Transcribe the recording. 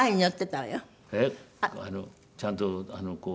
えっちゃんとあのこう。